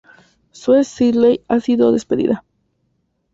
Sue Sisley, ha sido despedida.